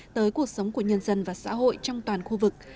tới cuộc sống của nhân dân và xã hội trong toàn khu vực